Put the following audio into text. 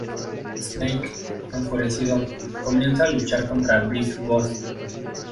Snake, enfurecido, comienza a luchar contra Big Boss.